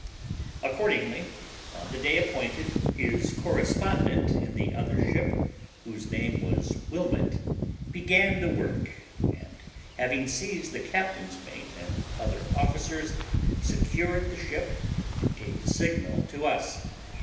Accordingly, on the day appointed, his correspondent in the other ship, whose name was Wilmot, began the work, and, having seized the captain's mate and other officers, secured the ship, and gave the signal to us.